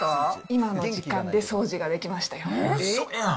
今の時間で掃除ができましたよ。